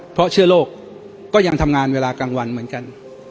เพราะเชื้อโรคก็ยังทำงานเวลากลางวันเหมือนกัน